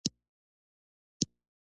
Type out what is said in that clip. د مساوي حقونو پاملرنه وشوه.